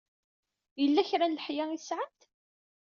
Yella kra n leḥya ay tesɛamt?